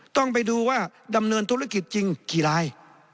ต้องไปดูว่าดำเนินธุรกิจจริงกี่ราย